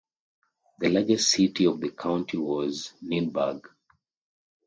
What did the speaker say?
The largest city of the county was Nienburg.